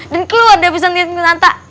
dan keluar dari pusat rencana rengkun anta